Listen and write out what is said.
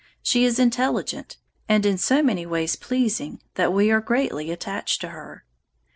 She is intelligent, and in so many ways pleasing that we are greatly attached to her."